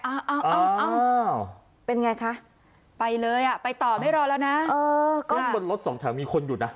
เอาเอาเป็นไงคะไปเลยอ่ะไปต่อไม่รอแล้วนะเออก็บนรถสองแถวมีคนอยู่นะ